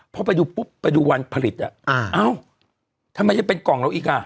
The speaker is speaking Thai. พอไปดูปุ๊บไปดูวันผลิตอ่ะอ่าเอ้าทำไมยังเป็นกล่องเราอีกอ่ะ